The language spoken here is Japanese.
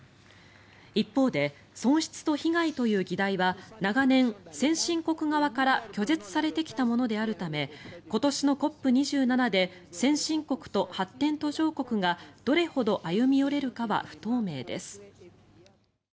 一方で「損失と被害」という議題は長年、先進国側から拒絶されてきたものであるため今年のＣＯＰ２７で先進国と発展途上国がどれほど歩み寄れるかは不透明です。